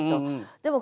でも